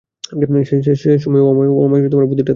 সে সময়ই ও আমায় বুদ্ধিটা দিয়েছিল।